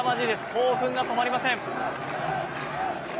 興奮が止まりません。